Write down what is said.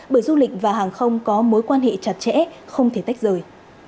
bởi du lịch và hàng không có mối quan hệ chặt chẽ không thể tách rời